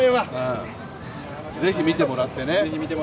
ぜひ見てもらってね。